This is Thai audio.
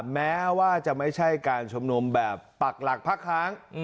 แม้ว่าจะไม่ใช่การชุมนุมแบบปักหลักพักค้าง